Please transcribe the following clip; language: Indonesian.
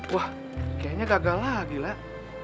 wah kayaknya gagal lagi lak